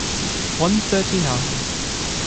One thirty-nine.